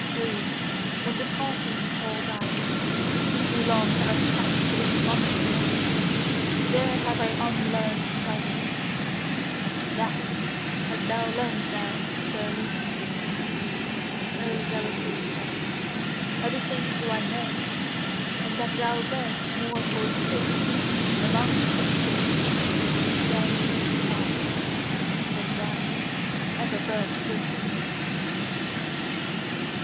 Who when departing called out: 'Too long have I sat with lonesomeness; there have I unlearned silence!' THAT hast thou learned now surely? O Zarathustra, everything do I know; and that thou wert MORE FORSAKEN amongst the many, thou unique one, than thou ever wert with me!